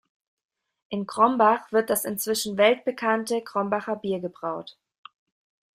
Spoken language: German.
In Krombach wird das inzwischen weltbekannte Krombacher Bier gebraut.